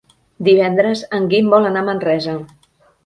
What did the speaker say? Divendres en Guim vol anar a Manresa.